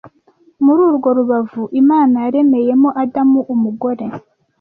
Muri urwo rubavu, Imana yaremeyemo Adamu umugore